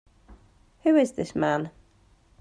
Who is this man?